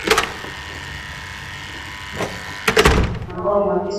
ambao maafisa wanalaumu kwa kuruhusu ushirika wa al-Qaida